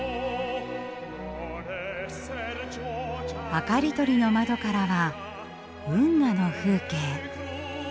明かり取りの窓からは運河の風景。